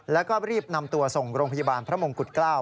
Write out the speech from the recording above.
แล้วก็รีบนำตัวส่งโรงพยาบาลพระมงกุฎเกล้า